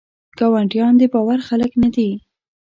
ګاونډیان دباور خلګ نه دي.